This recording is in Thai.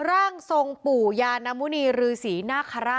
ร่างทรงปู่ยานมุณีรือศรีนาคาราช